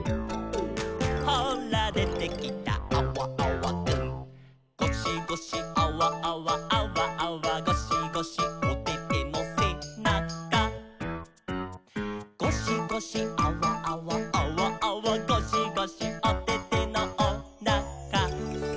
「ほらでてきたアワアワくん」「ゴシゴシアワアワアワアワゴシゴシ」「おててのせなか」「ゴシゴシアワアワアワアワゴシゴシ」「おててのおなか」